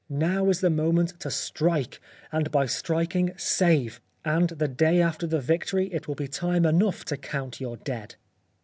Now is the moment to strike, and by striking save, and the day after the victory it will be time enough to count your dead.